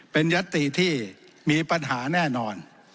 เป็นยัตติที่มีปัญหาแน่นอน